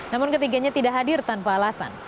namun ketiganya tidak hadir tanpa alasan